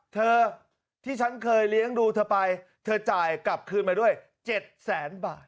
เธอที่ฉันเคยเลี้ยงดูเธอไปเธอจ่ายกลับคืนมาด้วย๗แสนบาท